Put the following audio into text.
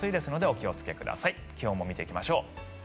気温も見ていきましょう。